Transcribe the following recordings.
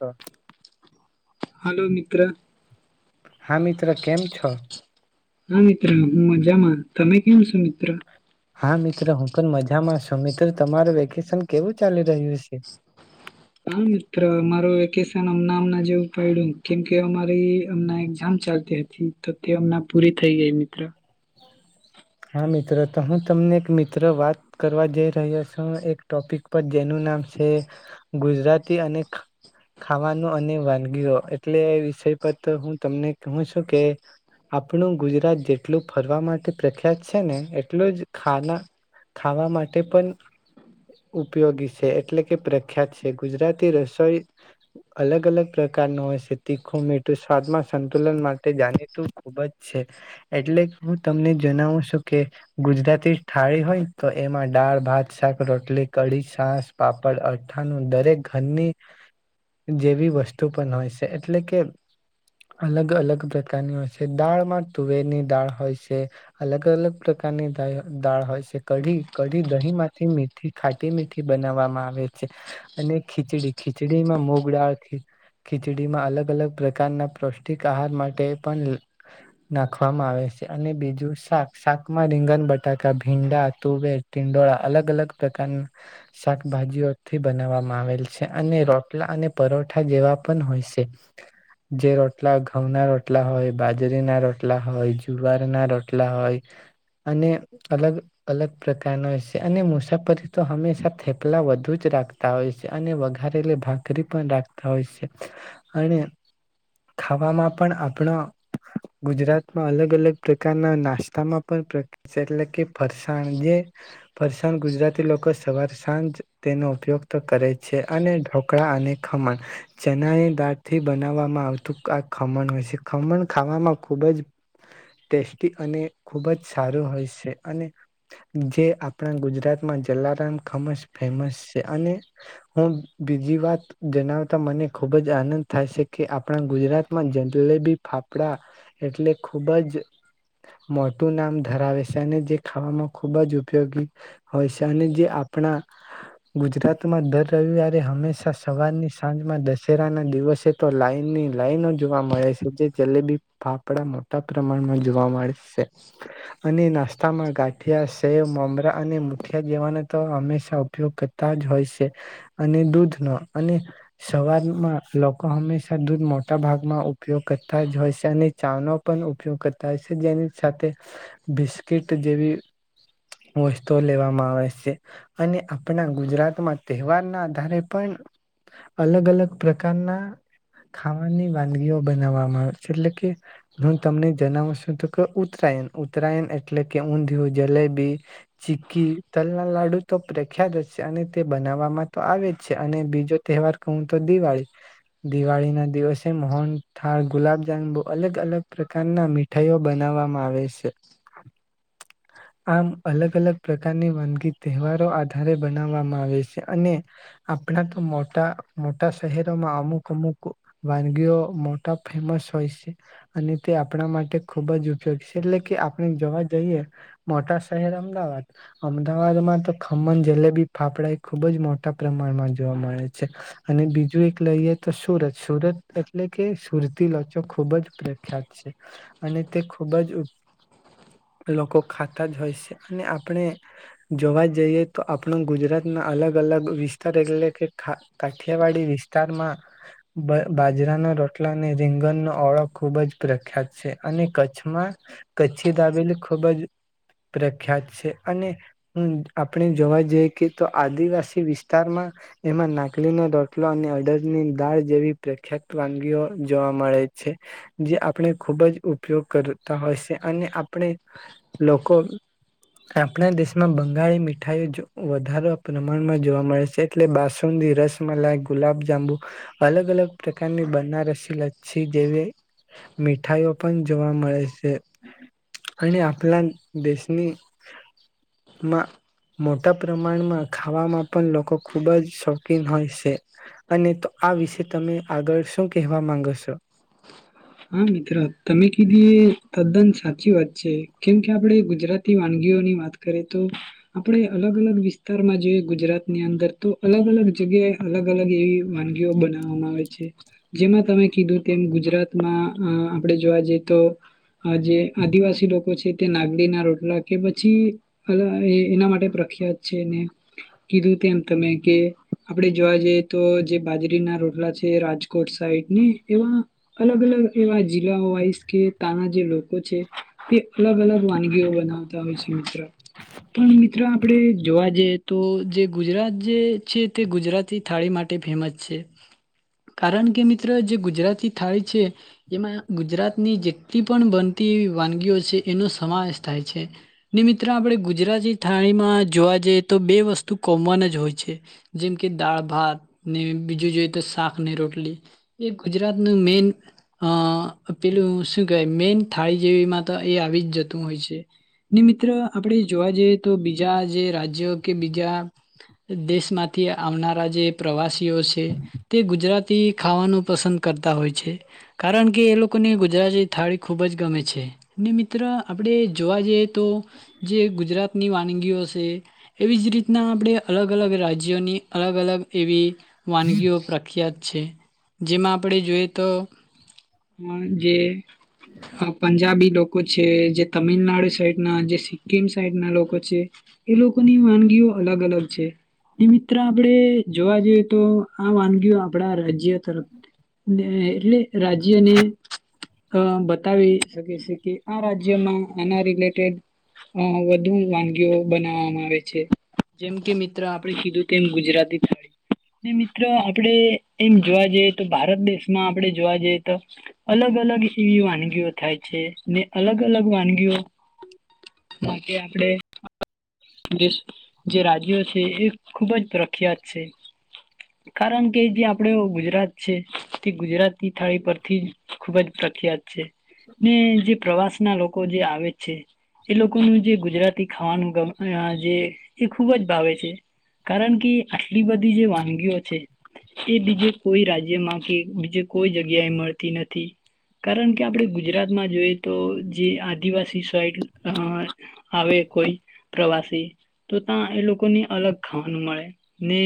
Okay hello મિત્ર. હા મિત્ર કેમ છો? હા મિત્ર હું મજામાં તમે કેમ છો મિત્ર. હા મિત્ર હું પણ મજામાં સુમિત્ર તમારું વેકેશન કેવું ચાલી રહ્યું છે. હા મિત્ર અમારું વેકેશન અમના અમના જેવું પડ્યું કેમકે અમારી એક્ઝામ ચાલતી હતી તો તે હમ પૂરી થઇ ગઈ મિત્ર. હા મિત્રો તો હું તમને એક મિત્ર વાત કરવા જઈ રહ્યો છું એક ટોપિક પર જેનું નામ છે ગુજરાતી અને ખાવાનું અને વાનગીઓ એટલે એ વિષય પર તો હું તમને કહું છું કે આપણું ગુજરાત જેટલું ફરવા માટે પ્રખ્યાત છે ને એટલું જ ખાના ખાવા માટે પણ ઉપયોગી છે એટલે કે પ્રખ્યાત છે ગુજરાતી રસોઈ અલગ અલગ પ્રકારનું હોય છે તીખું મીઠું સ્વાદમાં સંતુલન માટે જાણીતું ખૂબ જ છે એટલે હું તમને જણાવું છું કે ગુજરાતી થાળી હોય તો એમાં દાળ ભાત શાક રોટલી કઢી સાસ પાપડ અરથાણ દરેક ઘરની જેવી વસ્તુ પણ હોય છે એટલે કે અલગ અલગ પ્રકારની હોય છે દાળમાં તુવેર ની દાળ હોય છે અલગ અલગ પ્રકારની દાળ હોય છે કઢી કઢી દહીંમાંથી મીઠી ખાટી મીઠી બનાવવામાં આવે છે અને ખીચડી ખીચડીમાં મુગ દાળ ખીચડીમાં અલગ અલગ પ્રકારના પૌષ્ટિક આહાર માટે પણ નાખવામાં આવે છે. અને બીજું શાક શાકમાં રીંગન બટાકા ભીંડા તુવેર ટીંડોળા અલગ અલગ પ્રકારના શાકભાજીઓથી બનાવવામાં આવે છે અને રોટલા અને પરોઠા જેવા પણ હોય છે જે રોટલા ઘઉં ના રોટલા હોય બાજરીના રોટલા હોય જુવારના રોટલા હોય અને અલગ અલગ પ્રકારના હોય છે અને મુસાફરી તો હંમેશા થેપલા વધુ જ રાખતા હોય છે અને વઘારેલી ભાખરી પણ રાખતા હોય છે અને ખાવામાં પણ આપણા ગુજરાતમાં અલગ અલગ અલગ પ્રકારના નાસ્તામાં પણ પ્ર છે એટલે કે ફરસાણ જે ફરસાણ ગુજરાતી લોકો સવાર સાંજ તેનો ઉપયોગ તો કરે છે અને ઢોકળા અને ખમણ ચનાની દાળથી બનાવવામાં આવતું આ ખમણ હોય છે ખમણ ખાવામાં ખૂબ જ ટેસ્ટી અને ખુબ જ સારું હોય છે અને જે આપણા ગુજરાતમાં જલારામ ખમશ ફેમસ છે અને હું બીજી વાત જણાવતા મને ખૂબ જ આનંદ થાય છે કે આપણા ગુજરાતમાં જલેબી ફાફડા એટલે ખૂબ જ મોટું નામ ધરાવે છે અને જે ખાવામાં ખૂબ જ ઉપયોગી હોય છે અને જે આપણા ગુજરાતમાં દર રવિવારે હંમેશા સવારની સાંજમાં દશેરાના દિવસે તો લાઈનની લાઈનો જોવા મળે છે જે જલેબી ફાફડા મોટા પ્રમાણમાં જોવા મળે છે. અને નાસ્તામાં ગાંઠિયા સેવ મમરા અને મુઠિયા જેવાનો તો હંમેશા ઉપયોગ કરતા જ હોય છે અને દૂધ નો અને સવારમાં લોકો હંમેશા દૂધ મોટા ભાગમાં ઉપયોગ કરતા જ હોય છે અને ચાનો પણ ઉપયોગ કરતા હોય છે જેની સાથે બિસ્કીિટ જેવી વસ્તુઓ લેવામાં આવે છે અને આપણાના ગુજરાતમાં તહેવારના આધારે પણ અલગ અલગ પ્રકારના ખાવાની વાનગીઓ બનાવવામાં આવે છે એટલે કે હું તમને જણાવ છું તો કે ઉત્તરાયણ ઉત્તરાયણ એટલે કે ઊંધિયું જલેબી ચીકી તલના લાડુ તો પ્રખ્યાત છે અને તે બનાવવામાં તો આવે જ છે અને બીજો તહેવાર કઉ તો દિવાળી દિવાળી ના દિવસે મોહન થાળ ગુલાબ જામન બહુ અલગ અલગ પ્રકારના મીઠાઈઓ બનાવવામાં આવે છે આમ અલગ અલગ પ્રકારની વાનગી તહેવારો આધારે બનાવવામાં આવે છે અને આપણા તો મોટા મોટા શહેરોમાં અમુક અમુક વાનગીઓ મોટા ફેમસ હોય છે. અને તે આપણા માટે ખૂબ જ ઉપયોગી છે એટલે કે આપણે જોવા જઈએ મોટા શહેર અમદાવાદ અમદાવાદમાં તો ખમન જલેબી ફાફડા એ ખૂબ જ મોટા પ્રમાણમાં જોવા મળે છે. અને બીજું એક લઈએ તો સુરત સુરત એટલે કે કુર્તી લોચો ખૂબ જ પ્રેમ ખ્ય અને તે ખુબ જ લોકો ખાતા જ હોય છે અને આપણે જોવા જઈએ તો આપણો ગુજરાત ના અલગ અલગ વિ તાર એટલે કે ખા કાઠિયાવાડી વિસ્તારમાં બ બાજરાનો રોટલા ને રીંગણનો ઓળો ખૂબ જ પ્રખ્યાત છે અને, કચ્છમાં કચ્છી દાબેલી ખુબ જ પ્રખ્યાત છે અને આપણે જોવા જઈએ કે તો આદિવાસી વિસ્તારમાં એમાં નાકલીનો રોટલો અને અડદની દાળ જેવી પ્રખ્યાત વાનગીઓ જોવા મળે છે. જે આપણે ખૂબ જ ઉપયોગ કરતા હોય છે અને આપણે લોકો આપણા દેશમાં બંગાળી મીઠાઈઓ વધારે પ્રમાણમાં જોવા મળે છે એટલે બાસુંદી રસમલાઈ ગુલાબજાંબુ અલગ અલગ પ્રકારની બનારસી લચ્છી જેવી મીઠાઈઓ પણ જોવા મળે છે અને આપણા દેશનીમાં મોટા પ્રમાણમાં ખાવામાં પણ લોકો ખુબ જ શોખીન હોય છે અને તો આ વિશે તમે આગળ શું કહેવા માંગો છો. હા મિત્રો તમે કીધી એ તદ્દન સાચી વાત છે કેમ કે આપણે ગુજરાતી વાનગીઓની વાત કરે તો આપડે અલગ-અલગ વિસ્તારમાં જોઈએ ગુજરાતની અંદર તો અલગ-અલગ જગ્યાએ અલગ-અલગ એવી વાનગીઓ બનાવવામાં આવે છે જેમાં તમે કીધું તેમ ગુજરાત આપણે જોવા જઈએ તો આ જે આદિવાસી લોકો છે તે નાગડી ના રોટલા કે પછી એના માટે પ્રખ્યાત છે ને કીધું તેમ તમે કે આપણે જોવા જઈએ તો જે બાજરીના રોટલા છે રાજકોટ સાઈડ ને એવા અલગ-અલગ એવા જિલ્લાઓ વાઇઝ કે ત્યાના જે લોકો છે તે અલગ-અલગ વાનગીઓ બનાવતા હોય છે મિત્ર પણ મિત્રો આપણે જોવા જઈએ તો જે ગુજરાત જે છે તે ગુજરાતી થાળી માટે ફેમસ છે કારણ કે મિત્ર જે ગુજરાતી થાળી છે, એમાં ગુજરાતની જેટલી પણ બનતી વાનગીઓ છે, એનો સમાવેશ થાય છે. ને મિત્રો આપણે ગુજરાતી થાળીમાં જોવા જઈએ તો બે વસ્તુ કોમન જ હોય છે. જેમ કે દાળ ભાત ને બીજું જોઈએ તો શાકને રોટલી એ ગુજરાત મેન અ પેલું શું કેહેવાય મેન થાળી જેવીમાં તો એ આવી જ જતું હોય છે. ને મિત્ર આપણે જોવા જઈએ તો બીજા જે રાજ્યો કે બીજા દેશમાંથી આવનારા જે પ્રવાસીઓ છે તે, ગુજરાતી ખાવાનું પસંદ કરતા હોય છે કારણ કે એ લોકોને ગુજરાતી થાળી ખૂબ જ ગમે છે ને મિત્ર આપણે જોવા જઈએ તો જે ગુજરાતની વાનગીઓ છે એવી જ રીતના આપણે અલગ-અલગ રાજ્યોની અલગ-અલગ એવી વાનગીઓ પ્રખ્યાત છે. જેમાં આપણે જોઈએ તો જે પંજાબી લોકો છે, જે તમિલનાડુ સાઈડ ના, જે સિક્કિમ સાઈડ ના લોકો છે, એ લોકોની વાનગીઓ અલગ-અલગ છે એ મિત્ર આપણેે જોવા જઈએ તો હા વાનગીઓ આપડા રાજ્ય તર એટલે રાજ્યને અ બતાવી શકે છે કે આ રાજ્યમાં આના રિલેટેડ વધુ વાનગીઓ બનાવવામાં આવે છે. જેમ કે મિત્ર આપણે કીધું તેમ ગુજરાતી થાળી ને મિત્રો આપડે એમ જોવા જાય તો ભારત દેશમાં આપણેે જોવા જઈએ તો અલગ-અલગ એવી વાનગીઓ થાય છે ને અલગ-અલગ વાનગીઓ માટે આપણે દેશ જે રાજ્યો છે એ ખૂબ જ પ્રખ્યાત છે. કારણ કે જે આપડે ગુજરાત છે તે ગુજરાતી થાળી પરથી ખુબ જ પ્રખ્યાત છે ને જે પ્રવાસ ના લોકો જે આવે છે એ લોકોનું જે ગુજરાતી ખાવાનું જે એ ખૂબ જ ભાવે છે કારણ કે આટલી બધી જે વાનગીઓ છે એ બીજે કોઈ રાજ્યમાં કે બીજે કોઈ જગ્યાએ મળતી નથી કારણ કે આપણે ગુજરાતમાં જોઈએ તો જે આદિવાસી સાઈડ આવે કોઈ પ્રવાસી તો ત્યાં એ લોકોને અલગ ખાવાનું મળે ને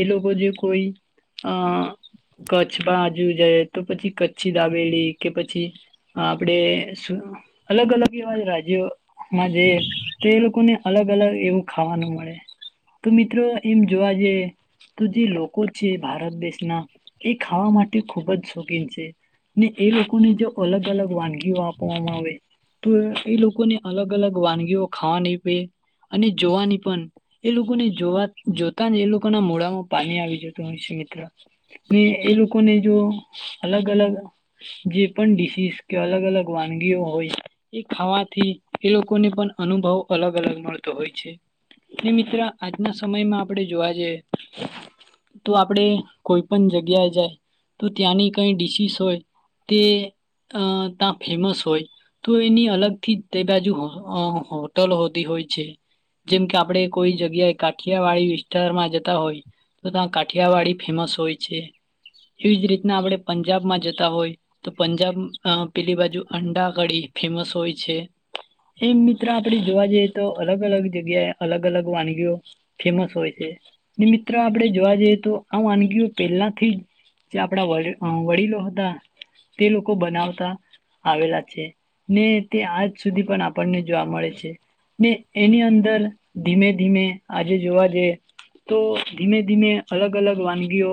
એ લોકો જે કોઈ અ કચ્છબ જો જાય તો પછી કચ્છી દાબેલી કે પછી આપણેે અલગ-અલગ એવા રાજ્યો મા જે તે લોકોને અલગ અલગ એવું ખાવાનું મળે તો મિત્રો એમ જોવા જઈએ તો જે લોકો છે ભારત દેશના એ ખાવા માટે ખૂબ જ શોખીન છે ને એ લોકોને જો અલગ- અલગ વાનગીઓ આપવામાં આવે તો એ લોકોને અલગ-અલગ વાનગીઓ ખાવાની અને જોવાની પણ એ લોકોને જોવા જોતા ને એ લોકો ના મળામાં પાણી આવી જતું હો ને એ લોક લોકોને જો અલગ-અલગ જે પણ ડીસીસ કે અલગ- અલગ વાનગીઓ હોય એ ખાવાથી એ લોકોને પણ અનુભવ અલગ-અલગ મળતો હોય છે ને મિત્ર આજના સમયમાં આપણે જોવા જઈએ તો આપણે કોઈ પણ જગ્યાએ જાય તો ત્યાંની કઈ ડીશિસ હોય તે ત્યાં ફેમસ હોય તો એની અલગથી તે બાજુ હો લ હોતી હોય છે જેમ કે આપડે કોઈ જગ્યા કાઠિયાવાડી વિસ્તારમાં હોય તો ત્યા કાઠિયાવાડી ફેમસ હોય છે. એવીજ રીત આપડે પંજાબમાં જતા હોય તો પંજાબ પેલી બાજુ અંડા કડીી ફેમસ હોય છે એમ મિત્ર આપણે જોવા જઈએ તો અલગ અલગ જગ્યાએ અલગ અલગ વાનગીઓ ફેમસ હોય છે ને મિત્રો આપણે જોવા જઈએ તો આ વાનગીઓ પહેલાથી જ જે આપણા વડીલો હતા તે લોકો બનાવતા આવેલા છે ને તે આજ સુધી પણ આપણને જોવા મળે છે એની અંદર ધીમે ધીમે આજે જોવા જઈ તો ધીમે ધીમે અલગ અલગ વાનગીઓ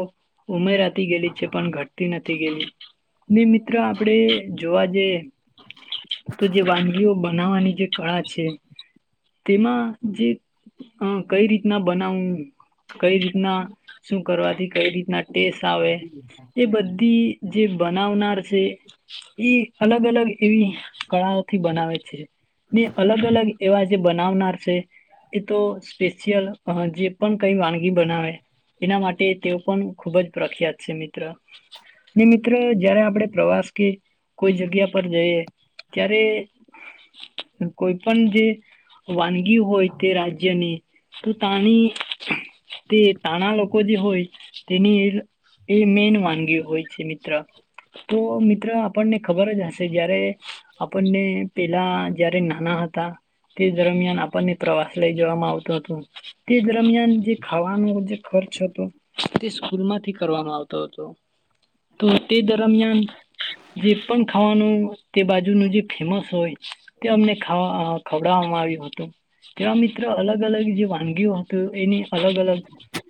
ઉમેરા ઘટી ગેલી છે પણ ઘટતી નથી ગેલી ને મિત્ર આપડે જોવા જઈ તો જે વાનગીઓ બનાવવાની જે કળા છે તેમાં જે કઈ રીતના બનાવવું કઈ રીતના શું કરવાથી કઈ રીતના ટેસ્ટ આવે એ બધી જે બનાવનાર છે એ અલગ અલગ એવી કળાઓથી બનાવે છે ને અલગ અલગ એવા જે બનાવનાર છે એ તો સ્પેશિયલ જે પણ કઈ વાનગી બનાવે એના માટે તેઓ પણ ખૂબ જ પ્રખ્યાત છે મિત્ર ને મિત્ર જયારે આપણે પ્રવાસ કે કોઈ જગ્યા પર જઈએ ત્યારે કોઈ પણ જે વાનગી હોય તે રાજ્યની તો તાની તે તાણા લોકો જે હોય તેની એ મેન વાનગી હોય છે મિત્ર તો આપણને ખબર જ હશે જયારે આપણને પેલા જયારે નાના હતા તે દરમિયાન આપણને પ્રવાસ લઈ જવામાં આવતો હતો તે દરમિયાન જે ખાવાનો જે ખર્ચ હતો તે સ્કૂલમાંથી કરવામાં આવતો હતો તો તે દરમિયાન જે પણ ખાવાનું તે બાજુનું જે ફેમસ હોય તે અમને ખવડાવવામાં આવ્યું હતું તેવા મિત્ર અલગ અલગ જે વાનગીઓ હત એની અલગ અલગ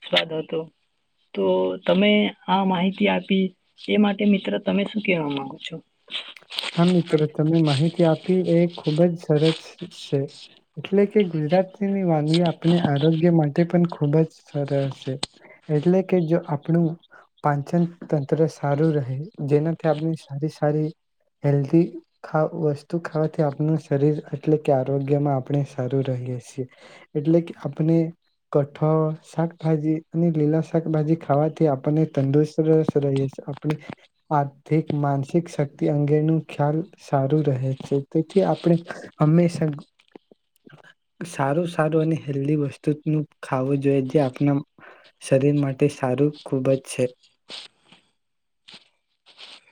સ્વાદ હતો તો તમે આ માહિતી આપી એ માટે મિત્ર તમે શું કેવા માંગો છો હા મિત્ર તમે માહિતી આપી એ ખૂબ જ સરસ છે એટલે કે ગુજરાત વાન આપણે આરોગ્ય માટે પણ ખ ખૂબ જ સરશે એટલે કે જો આપણું પાંચન તંત્ર સારું રહે જેનાથી આપણી સારી સારી હેલ્ધ વસ્તુ ખાવાથી આપનું શરીર એટલે કે આરોગ્યમાં આપણે સારું રહીએ છીએ એટલે કે આપણે કઠળ શાકભાજી અને લીલા શાકભાજી ખાવાથી આપને તંદુરસ્ત રહીએ છીએ આર્થિક માનસિક વતિ અંગેનું ખ્યાલ સારું રહે છે તેથી આપણે હંમેશા સારું સારું અને હેલ્ધી વસ્તુનું ખાવું જોઈએ જે આપણા શરીર માટે સારું ખૂબ જ છે